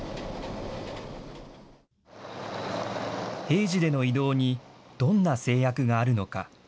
平時での移動に、どんな制約があるのか。